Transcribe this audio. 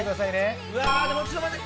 うわちょっと待って。